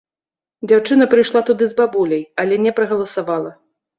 Дзяўчына прыйшла туды з бабуляй, але не прагаласавала.